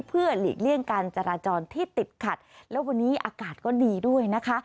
เพื่อหลีกเลี่ยงการจราจรที่ติดขัดแล้ววันนี้อากาศก็ดีด้วยนะคะ